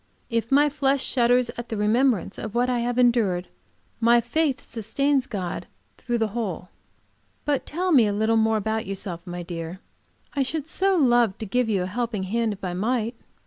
If my flesh shudders at the remembrance of what I have endured, my faith sustains God through the whole. But tell me a little more about yourself, my dear. I should so love to give you a helping hand, if I might."